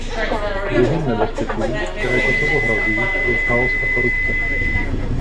Druhým nebezpečím, které Kosovu hrozí, je chaos a korupce.